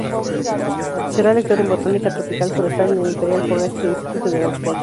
Será lector en Botánica tropical forestal en el "Imperial Forestry Institute" de Oxford.